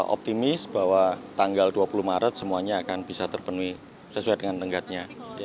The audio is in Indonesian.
optimis bahwa tanggal dua puluh maret semuanya akan bisa terpenuhi sesuai dengan tenggatnya